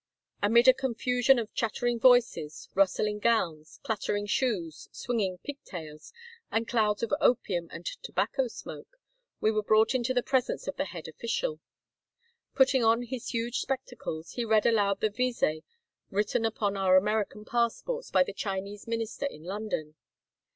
Amid a confusion of chattering voices, rustling gowns, clattering shoes, swinging pigtails, and clouds of opium and tobacco smoke, we were brought into the presence of the head official. Putting on his huge spectacles, he read aloud the vise written upon our American passports by the Chinese minister in London.